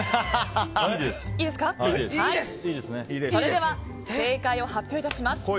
それでは正解を発表いたします。